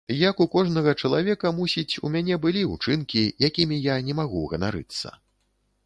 Як у кожнага чалавека, мусіць, у мяне былі ўчынкі, якімі я не магу ганарыцца.